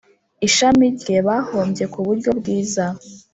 ishami rye bahombye ku buryo bwiza